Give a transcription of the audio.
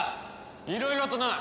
いろいろとな。